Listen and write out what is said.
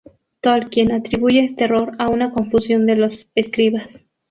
Tolkien atribuye este error a una confusión de los escribas.